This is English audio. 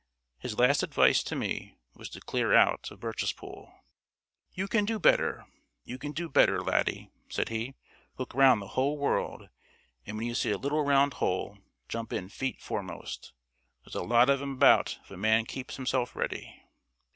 His last advice to me was to clear out of Birchespool. "You can do better you can do better, laddie!" said he. "Look round the whole world, and when you see a little round hole, jump in feet foremost. There's a lot of 'em about if a man keeps himself ready."